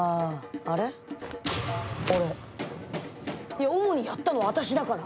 いや主にやったの私だから。